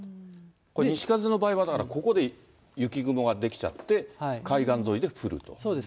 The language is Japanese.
これ、西風の場合はだからここで雪雲が出来ちゃって、そうです。